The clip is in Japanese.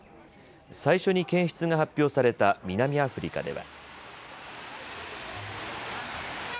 最初に検出が発表された南アフリカでは。